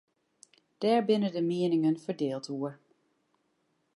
Dêr binne de mieningen ferdield oer.